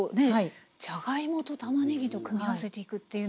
じゃがいもとたまねぎと組み合わせていくというのが。